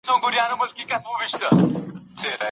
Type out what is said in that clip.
نوي کارونه د ژوند لپاره ښه دي.